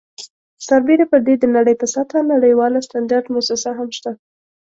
سربیره پر دې د نړۍ په سطحه نړیواله سټنډرډ مؤسسه هم شته.